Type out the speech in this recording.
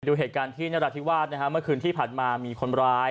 ดูเหตุการณ์ที่นราธิวาสนะฮะเมื่อคืนที่ผ่านมามีคนร้าย